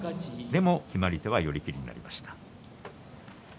でも決まり手は寄り切りになりました。